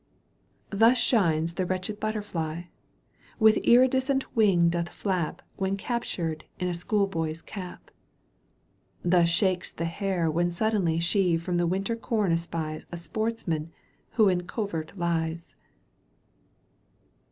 Thus shines the wretched butterfly, With iridescent wing doth flap When captured in a schoolboy's cap ; Thus shakes the hare when suddenly She from the winter com espies A sportsman who in covert lies.